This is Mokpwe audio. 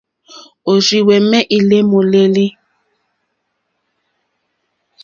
Òrzìhwɛ̀mɛ́ î lé môlélí.